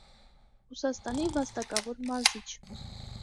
Ռուսաստանի վաստակավոր մարզիչ։